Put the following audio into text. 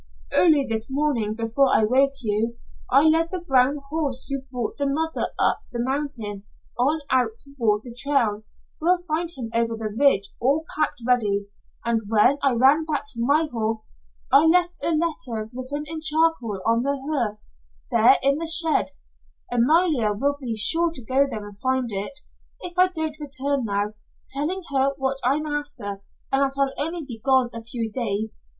"Early this morning, before I woke you, I led the brown horse you brought the mother up the mountain on out toward the trail; we'll find him over the ridge, all packed ready, and when I ran back for my horse, I left a letter written in charcoal on the hearth there in the shed Amalia will be sure to go there and find it, if I don't return now telling her what I'm after and that I'll only be gone a few days.